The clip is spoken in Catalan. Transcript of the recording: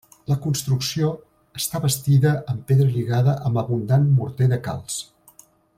La construcció està bastida en pedra lligada amb abundant morter de calç.